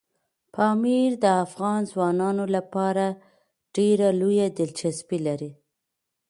پامیر د افغان ځوانانو لپاره ډېره لویه دلچسپي لري.